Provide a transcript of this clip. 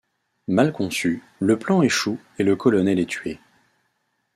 Mal conçu, le plan échoue et le colonel est tué.